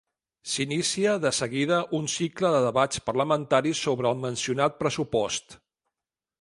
S'inicia de seguida un cicle de debats parlamentaris sobre el mencionat pressupost.